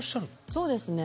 そうですね。